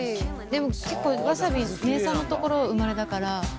でも結構わさび名産の所生まれだから。